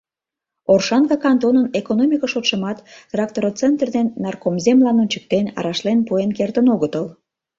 Оршанка кантонын экономика шотшымат, Трактороцентр ден Наркомземлан ончыктен, рашлен пуэн кертын огытыл.